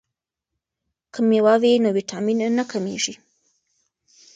که میوه وي نو ویټامین نه کمیږي.